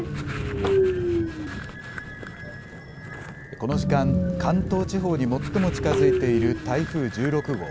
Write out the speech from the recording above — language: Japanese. この時間、関東地方に最も近づいている台風１６号。